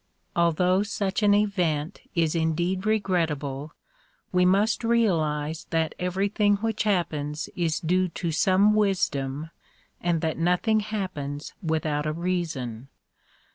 Although such an event is indeed regrettable, we must realize that everything which happens is due to some wisdom and that nothing happens without a reason.